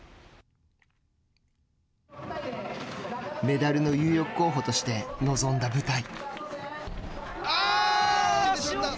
メダルの有力候補として臨んだ舞台。